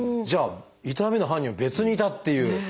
痛みの犯人は別にいたっていう。